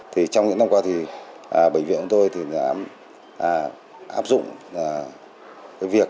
trong những năm qua thì bệnh viện của tôi áp dụng việc thực hiện bệnh viện